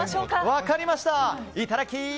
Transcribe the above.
分かりましたいただき！